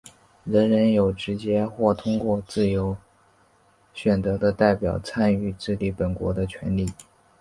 人人有直接或通过自由选择的代表参与治理本国的权利。